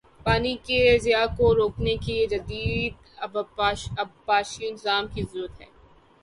پانی کے ضیاع کو روکنے کے لیے جدید آبپاشی نظام کی ضرورت ہے